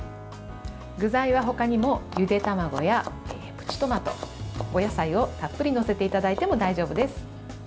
具材は他にもゆで卵やプチトマトお野菜をたっぷり載せていただいても大丈夫です。